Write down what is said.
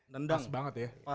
pas banget ya